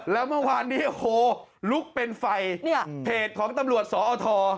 แล้วเมื่อวานนี้โอ้โหลุกเป็นไฟเนี่ยเพจของตำรวจสอท